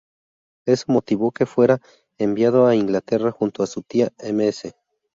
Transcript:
Eso motivó que fuera enviado a Inglaterra junto a su tía Ms.